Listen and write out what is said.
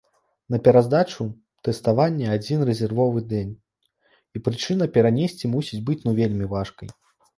На пераздачу тэставання адзін рэзервовы дзень, і прычына перанесці мусіць быць ну вельмі важкай.